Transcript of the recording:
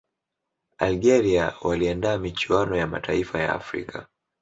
algeria waliandaa michuano ya mataifa ya afrika